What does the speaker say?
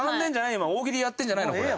今大喜利やってるんじゃないの？これ。